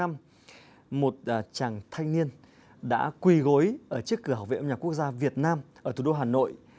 một chàng thanh niên đã quỳ gối ở trước cửa hậu vệ âm nhạc quốc gia việt nam ở thủ đô hà nội